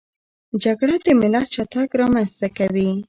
جګړه د ملت شاتګ رامنځته کوي.